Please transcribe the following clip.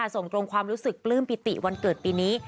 ส่งตรงความรู้สึกปลื้มปิติวันเกิดปีนี้